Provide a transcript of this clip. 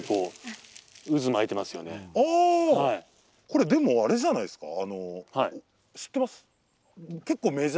これ、あれじゃないですか？